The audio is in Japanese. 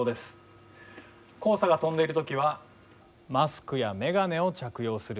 黄砂が飛んでいる時はマスクや眼鏡を着用する。